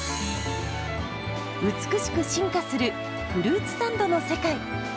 美しく進化するフルーツサンドの世界。